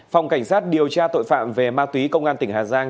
phòng cảnh sát điều tra tội phạm về ma túy công an tỉnh hà giang